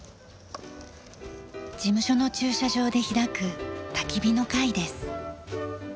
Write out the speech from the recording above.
事務所の駐車場で開くたき火の会です。